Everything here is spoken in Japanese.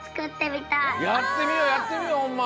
やってみようやってみようホンマ！